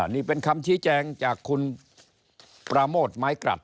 นี่เป็นคำชี้แจงจากคุณปราโมทไม้กรัด